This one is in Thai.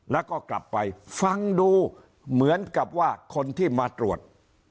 แล้วก็กลับไปฟังดูเหมือนกับว่าคนที่มาตรวจ